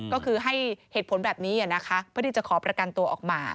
ก็คือให้เหตุผลแบบนี้นะคะเพื่อที่จะขอประกันตัวออกมา